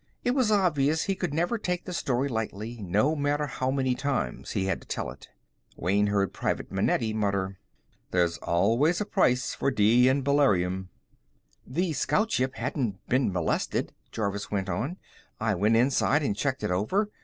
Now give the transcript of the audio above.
It was obvious he could never take the story lightly, no matter how many times he had to tell it. Wayne heard Private Manetti mutter, "There's always a price for D N beryllium." "The Scout Ship hadn't been molested," Jervis went on. "I went inside and checked it over.